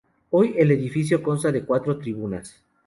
Hoy, el edificio consta de cuatro tribunas.